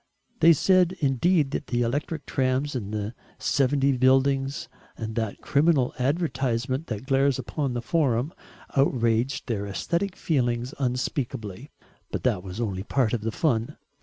They said indeed that the electric trams and the '70 buildings, and that criminal advertisement that glares upon the Forum, outraged their aesthetic feelings unspeakably; but that was only part of the fun.